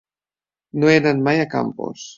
No he anat mai a Campos.